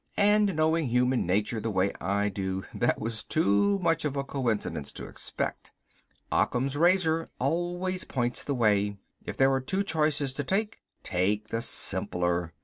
And knowing human nature the way I do, that was too much of a coincidence to expect. Occam's razor always points the way. If there are two choices to take, take the simpler.